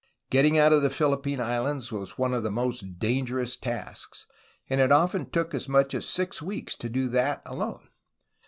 Getting out of the Philippine Islands was one of the most dangerous tasks, and it often took as much as six weeks to do that alone.